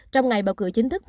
trong ngày bầu cử chính thức